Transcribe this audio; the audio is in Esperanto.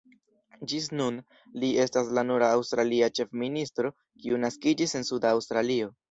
Ĝis nun, li estas la nura aŭstralia ĉefministro kiu naskiĝis en Suda Aŭstralio.